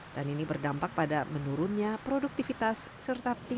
dan ini berdampak pada menurunnya produktivitas serta tingkat stres masyarakat di ibu kota